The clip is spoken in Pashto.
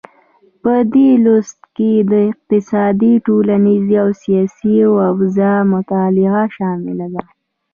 په دې لوست کې د اقتصادي، ټولنیزې او سیاسي اوضاع مطالعه شامله ده.